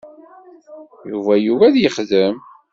Yuba yugi ad yexdem.